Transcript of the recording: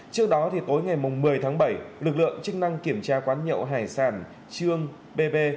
trước đó tối ngày một mươi tháng bảy lực lượng chức năng kiểm tra quán nhậu hải sản trương bb